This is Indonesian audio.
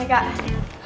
ih gak boleh nih